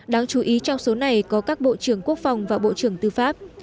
đáng chú ý trong số này có các bộ trưởng quốc phòng và bộ trưởng tư pháp